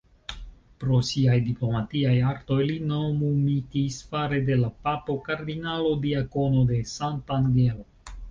Pro siaj diplomatiaj artoj li nomumitis fare de la papo "Kardinalo-diakono de Sant'Angelo".